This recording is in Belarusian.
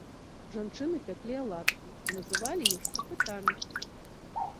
Жанчыны пяклі аладкі, і называлі іх капытамі.